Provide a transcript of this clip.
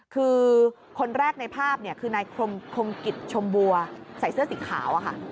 คือคนแรกในภาพคือนายคมกิจชมบัวใส่เสื้อสีขาวอะค่ะ